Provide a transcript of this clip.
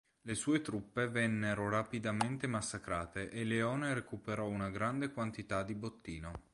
Le sue truppe vennero rapidamente massacrate e Leone recuperò una grande quantità di bottino.